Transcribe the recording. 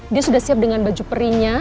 dia sudah siap dengan baju perinya